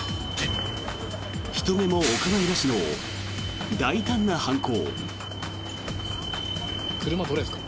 人目もお構いなしの大胆な犯行。